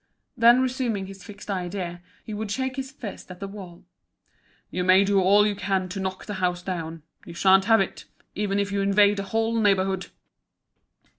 Then resuming his fixed idea, he would shake his fist at the wall. "You may do all you can to knock the house down. You sha'n't have it, even if you invade the whole neighbourhood."